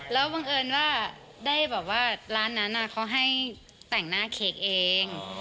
แล้วบังเอิญว่าได้แบบว่าร้านนั้นเขาให้แต่งหน้าเค้กเอง